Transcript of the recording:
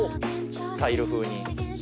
タイル風に。